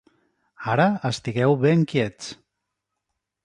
Ara, estigueu ben quiets.